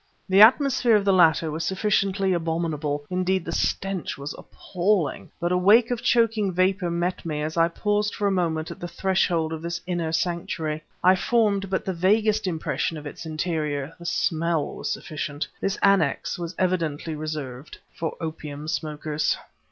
The atmosphere of the latter was sufficiently abominable; indeed, the stench was appalling; but a wave of choking vapor met me as I paused for a moment at the threshold of this inner sanctuary. I formed but the vaguest impression of its interior; the smell was sufficient. This annex was evidently reserved for opium smokers.